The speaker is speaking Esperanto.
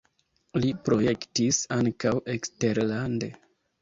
Li projektis ankaŭ eksterlande.